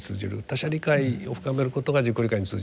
他者理解を深めることが自己理解に通じる。